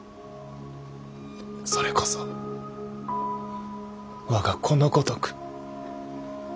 それこそ我が子のごとく。